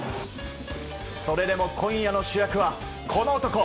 それでも、今夜の主役はこの男。